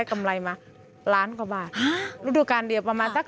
เอาใหม่ปีหน้าเอาอีก